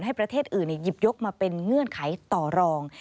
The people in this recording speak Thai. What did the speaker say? ให้ประเทศอื่นหยิบยกมาเป็นเงื่อนไขต่อรอง